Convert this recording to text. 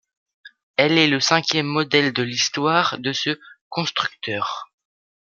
Elle est le cinquième modèle de l'histoire de ce constructeur.